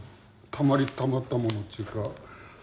たまりにたまったものっていうか。